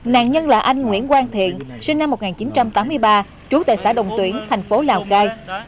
nạn nhân là anh nguyễn quang thiện sinh năm một nghìn chín trăm tám mươi ba trú tại xã đồng tuyển thành phố lào cai